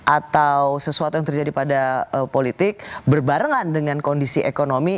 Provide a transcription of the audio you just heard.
atau sesuatu yang terjadi pada politik berbarengan dengan kondisi ekonomi